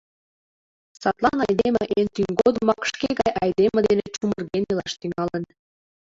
Садлан айдеме эн тӱҥ годымак шке гай айдеме дене чумырген илаш тӱҥалын.